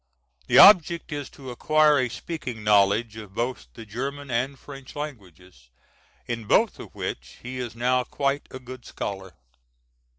The object is to acquire a speaking knowledge of both the German and French languages, in both of which he is now quite a good scholar.